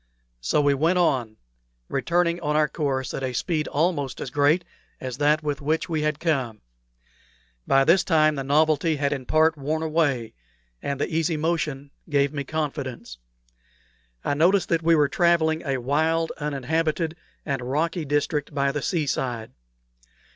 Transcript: So we went on, returning on our course at a speed almost as great as that with which we had come. By this time the novelty had in part worn away, and the easy motion gave me confidence. I noticed that we were travelling a wild, uninhabited, and rocky district by the sea side.